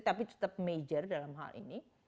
tapi tetap major dalam hal ini